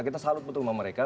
kita salut untuk sama mereka